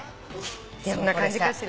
そんな感じかしら。